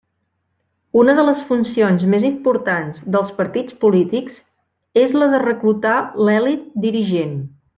Una de les funcions més importants dels partits polítics és la de reclutar l'elit dirigent.